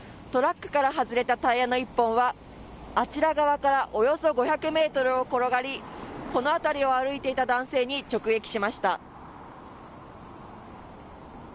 トラックから外れたタイヤの１本はあちら側からおよそ５００メートルを転がりこの辺りを歩いていた男性に直撃しました。